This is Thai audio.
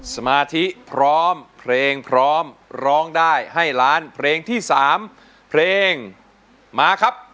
สมาธิพร้อมเพลงพร้อมร้องได้ให้ล้านเพลงที่๓เพลงมาครับ